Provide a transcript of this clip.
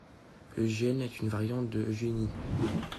Eugienne est une variante de Eugénie.